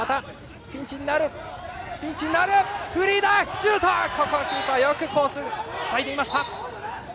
シュートはキーパーがコースを塞いでいました。